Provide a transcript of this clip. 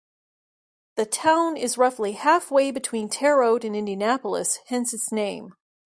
The town is roughly halfway between Terre Haute and Indianapolis, hence its name.